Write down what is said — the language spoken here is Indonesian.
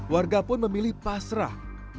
warga pun memilih pasrah